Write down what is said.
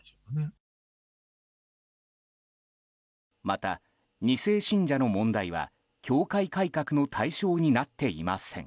また、２世信者の問題は教会改革の対象になっていません。